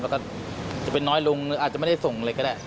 แล้วก็จะเป็นน้อยลงหรืออาจจะไม่ได้ส่งเลยก็ได้